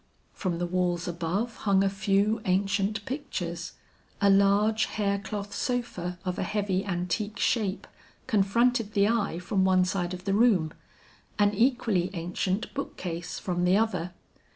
From the walls above hung a few ancient pictures. A large hair cloth sofa of a heavy antique shape, confronted the eye from one side of the room, an equally ancient book case from the other.